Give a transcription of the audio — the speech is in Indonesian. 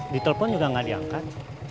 ditelepon juga gak diangkat